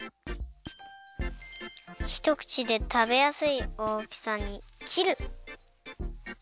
ひとくちでたべやすいおおきさにきる。